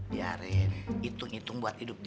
biarin hitung hitung buat hidup